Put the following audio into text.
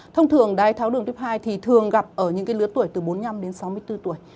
thông thường đái tháo đường tuyếp hai thì thường gặp ở những lứa tuổi từ bốn mươi năm đến sáu mươi bốn tuổi